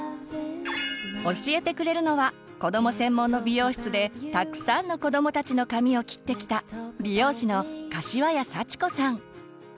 教えてくれるのは子ども専門の美容室でたくさんの子どもたちの髪を切ってきた美容師の柏谷早智子さん。